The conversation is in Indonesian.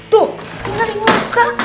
tuh tinggal ini buka